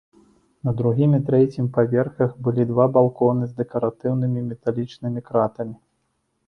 На другім і трэцім паверхах былі два балконы з дэкаратыўнымі металічнымі кратамі.